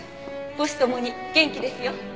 母子ともに元気ですよ。